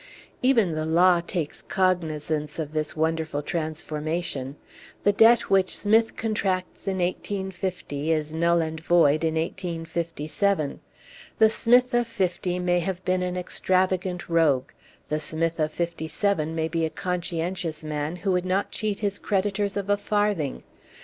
Even Page 139 the law takes cognizance of this wonderful transformation. The debt which Smith contracts in 1850 is null and void in 1857. The Smith of '50 may have been an extravagant rogue; the Smith of '57 may be a conscientious man, who would not cheat his creditors of a farthing.